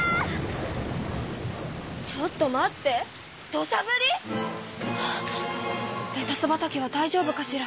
ちょっと待って土しゃぶり⁉レタス畑はだいじょうぶかしら？